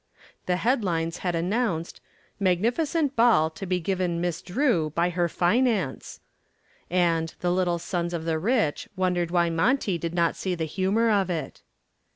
The headlines had announced "Magnificent ball to be given Miss Drew by her Finance," and the "Little Sons of the Rich" wondered why Monty did not see the humor of it.